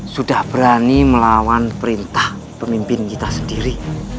sudah berani melawan perintah pemimpin kita sendiri